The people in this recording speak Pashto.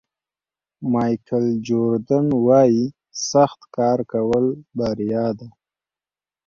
مایکل جوردن وایي سخت کار کول بریا ده.